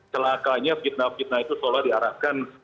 celakanya fitnah fitnah itu seolah diarahkan